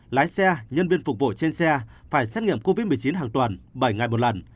lái xe nhân viên phục vụ trên xe phải xét nghiệm covid một mươi chín hàng tuần bảy ngày một lần